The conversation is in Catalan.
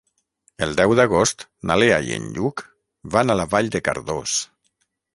El deu d'agost na Lea i en Lluc van a Vall de Cardós.